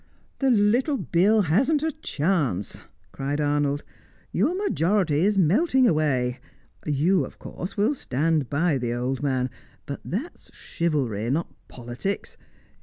"The little Bill hasn't a chance," cried Arnold. "Your majority is melting away. You, of course, will stand by the old man, but that is chivalry, not politics.